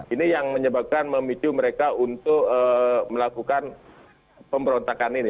ini yang menyebabkan memicu mereka untuk melakukan pemberontakan ini